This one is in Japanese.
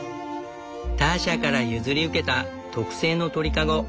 ターシャから譲り受けた特製の鳥籠。